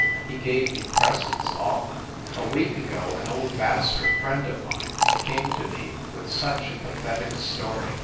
He gave me presents often. A week ago an old Vassar friend of mine came to me with such a pathetic story